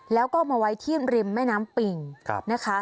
แล้วก็มาไว้ที่ริมแม่น้ำปิ่งนะคะ